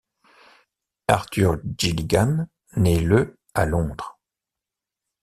Arthur Gilligan naît le à Londres.